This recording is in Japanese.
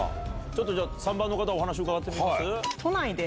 ちょっと３番の方お話伺ってみます？